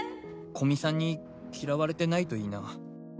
古見さんに嫌われてないといいな。